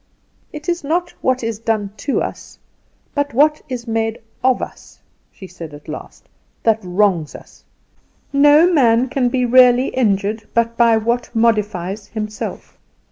"It is not what is done to us, but what is made of us," she said at last, "that wrongs us. No man can be really injured but by what modifies himself.